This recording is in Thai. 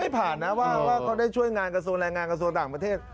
ผ่านนะว่าเขาได้ช่วยงานกระทรวงแรงงานกระทรวงต่างประเทศ